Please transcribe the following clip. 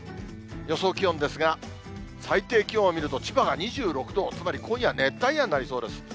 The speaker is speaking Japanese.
予想気温ですが、最低気温を見ると、千葉が２６度、つまり今夜は熱帯夜になりそうです。